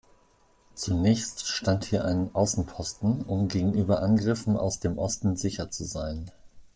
Zunächst stand hier ein Außenposten, um gegenüber Angriffen aus dem Osten sicher zu sein.